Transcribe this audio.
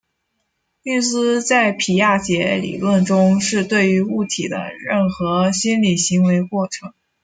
运思在皮亚杰理论中是对于物体的任何心理行为过程。